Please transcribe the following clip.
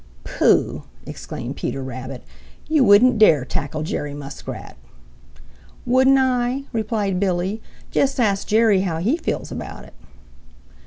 "Pooh!" exclaimed Peter Rabbit. "You wouldn't dare tackle Jerry Muskrat." "Wouldn't I?" replied Billy. "Just ask Jerry how he feels about it."